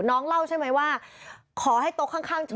น้องเล่าใช่ไหมว่าขอให้โต๊ะข้าง